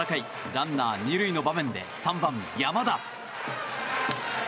ランナー２塁の場面で３番、山田。